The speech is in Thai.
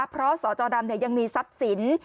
เพราะสตดำเนี่ยยังมีทรัพย์สิน